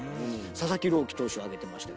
佐々木朗希投手を挙げてました。